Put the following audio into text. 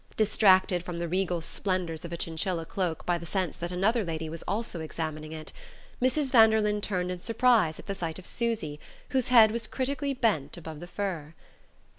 Distracted from the regal splendours of a chinchilla cloak by the sense that another lady was also examining it, Mrs. Vanderlyn turned in surprise at sight of Susy, whose head was critically bent above the fur.